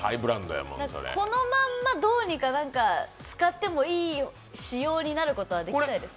このまんまどうにか使ってもいい仕様になることはないですか。